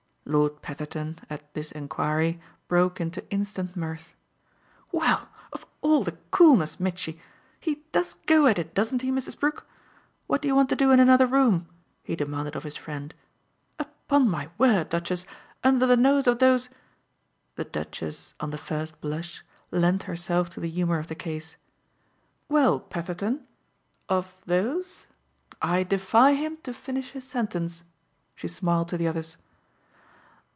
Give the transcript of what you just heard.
Lord Petherton, at this enquiry, broke into instant mirth. "Well, of all the coolness, Mitchy! he does go at it, doesn't he, Mrs. Brook? What do you want to do in another room?" he demanded of his friend. "Upon my word, Duchess, under the nose of those " The Duchess, on the first blush, lent herself to the humour of the case. "Well, Petherton, of 'those'? I defy him to finish his sentence!" she smiled to the others.